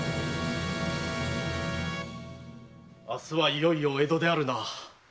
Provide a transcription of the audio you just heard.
明日はいよいよ江戸であるな。